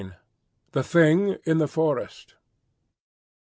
THE THING IN THE FOREST.